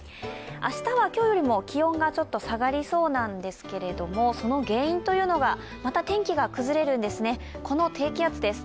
明日は今日よりも気温がちょっと下がりそうなんですけれども、その原因というのが、また天気が崩れるんですね、この低気圧です。